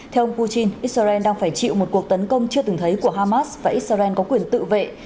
theo ông putin israel đang phải chịu một cuộc tấn công chưa từng thấy của hamas và israel có quyền tự vệ